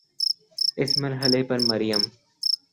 اس مرحلے پر مریم